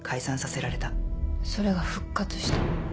それが復活した？